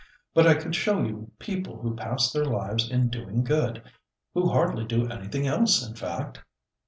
But I could show you people who pass their lives in doing good—who hardly do anything else, in fact."